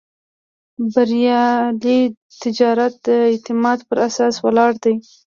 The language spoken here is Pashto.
بریالی تجارت د اعتماد پر اساس ولاړ دی.